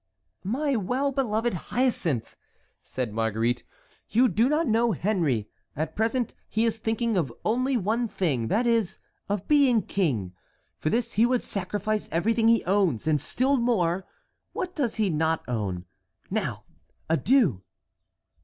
"My well beloved Hyacinthe," said Marguerite, "you do not know Henry. At present he is thinking of only one thing, that is, of being king. For this he would sacrifice everything he owns, and, still more, what he does not own. Now, adieu!"